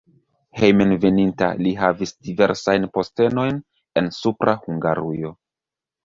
Hejmenveninta li havis diversajn postenojn en Supra Hungarujo.